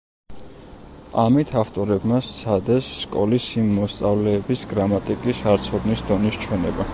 ამით ავტორებმა სცადეს სკოლის იმ მოსწავლეების გრამატიკის არცოდნის დონის ჩვენება.